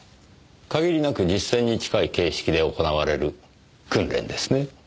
限りなく実戦に近い形式で行われる訓練ですね。